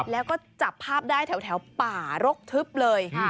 แล้วก็จับภาพได้แถวป่ารกทึบเลย